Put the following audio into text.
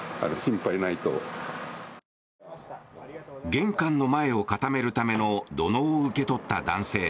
玄関の前を固めるための土のうを受け取った男性。